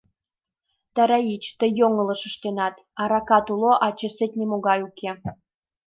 — Тараич, тый йоҥылыш ыштенат: аракат уло, а чесет нимогай уке.